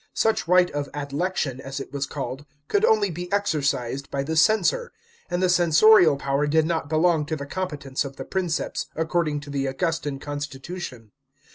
Such right of adlection, as it was called, could only be exercised by the censor ; and the censorial power did not belong to the competence of the Prince) s, according to the Augustan con stitution.